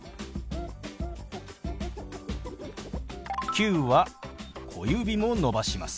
「９」は小指も伸ばします。